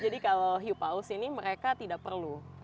jadi kalau hiu paus ini mereka tidak perlu